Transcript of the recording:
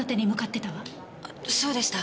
そうでした。